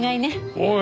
おい。